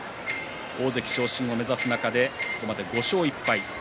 大関昇進を目指す中でここまで５勝１敗。